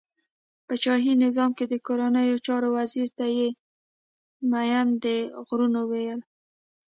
په شاهی نظام کی د کورنیو چارو وزیر ته یی مین د غرونو ویل.